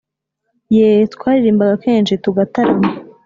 Yeee twaririmbaga kenshi tugatarama